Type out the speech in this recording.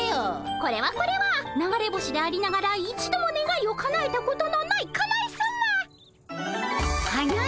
これはこれは流れ星でありながら一度もねがいをかなえたことのないかなえさま。